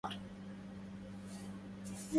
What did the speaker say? أرى الدنيا ستؤذن بانطلاق